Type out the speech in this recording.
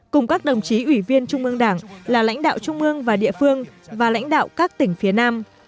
cùng các đồng chí ủy viên trung ương đảng là lãnh đạo trung mương và địa phương và lãnh đạo các tỉnh phía nam